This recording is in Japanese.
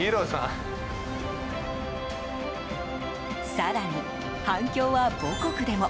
更に、反響は母国でも！